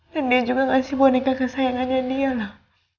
dan dia juga ngasih boneka kesayangannya dia lah